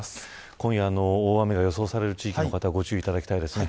今夜大雨が予想される地域の方ご注意いただきたいです。